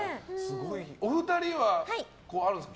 お二人はあるんですか？